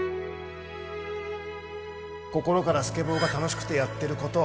心からスケボーが楽しくてやってる子と